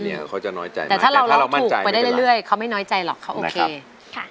แต่ถ้าเราร้องถูกไปได้เรื่อยเขาไม่น้อยใจหรอกเขาโอเค